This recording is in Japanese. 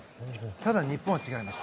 ただ、日本は違います。